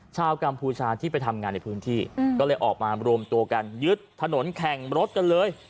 กัมพูชาที่ไปทำงานในพื้นที่ก็เลยออกมารวมตัวกันยึดถนนแข่งรถกันเลย